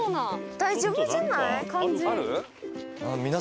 大丈夫じゃない？ある？